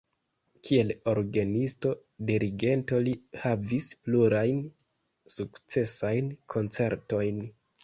Kiel orgenisto, dirigento li havis plurajn sukcesajn koncertojn.